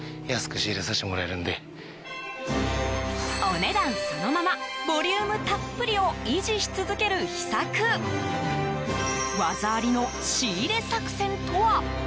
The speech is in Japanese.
お値段そのままボリュームたっぷりを維持し続ける秘策技ありの仕入れ作戦とは。